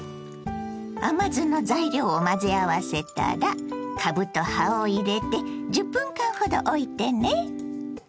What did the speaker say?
甘酢の材料を混ぜ合わせたらかぶと葉を入れて１０分間ほどおいてね。